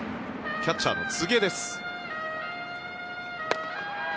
キャッチャーの柘植です。